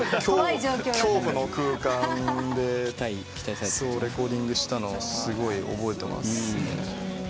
恐怖の空間でレコーディングしたのすごい覚えてます。